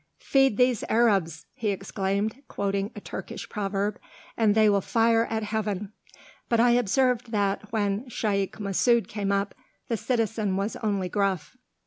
"Feed these Arabs," he exclaimed, quoting a Turkish proverb, "and they will fire at Heaven!" But I observed that, when Shaykh Masud came up, the citizen was only gruff.